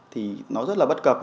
thì nó rất là bất cập